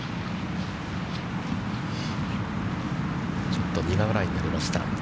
ちょっと苦笑いになりました。